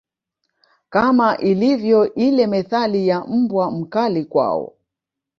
Kama ilivyo ile methali ya mbwa mkali kwao